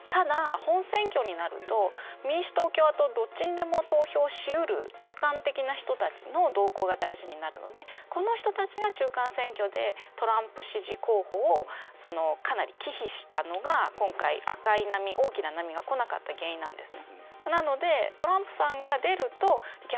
ただ、本選挙になるとどっちにも投票し得る中間的な人たちの動向が大事なるのでこの人たちが中間選挙でトランプ支持候補をかなり忌避したのが今回赤い波、大きな波が来なかった原因です。